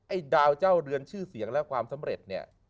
ดาวเจ้าเรือนชื่อเสียงและความสำเร็จเนี่ย